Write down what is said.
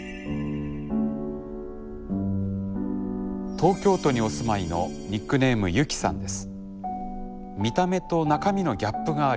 東京都にお住まいのニックネームゆきさんです。